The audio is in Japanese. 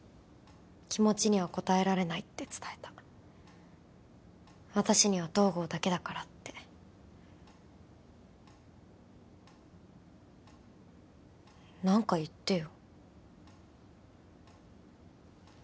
気持ちには応えられないって伝えた私には東郷だけだからって何か言ってよ